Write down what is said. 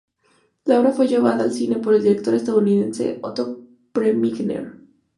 La obra fue llevada al cine por el director estadounidense Otto Preminger.